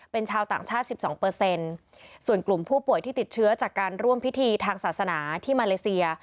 เป็นชาวต่างชาติ๑๒ส่วนกลุ่มผู้ป่วยที่ติดเชื้อจากการร่วมพิธีทางศาสนาที่มาเลเซีย